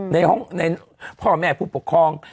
ในห้องในพ่อแม่ผู้ปกครอง